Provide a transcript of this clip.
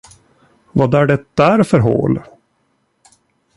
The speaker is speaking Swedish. Vad är det där för hål?